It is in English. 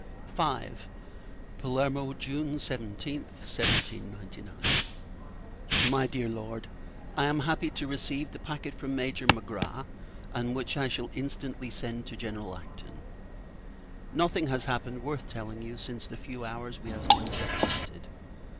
V. Palermo, June 17th, 1799. MY DEAR LORD, I am happy to receive the packet from Major Magra, and which I shall instantly send to General Acton. Nothing has happened, worth telling you, since the few hours we have been separated.